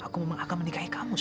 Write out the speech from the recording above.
aku memang akan menikahi kamu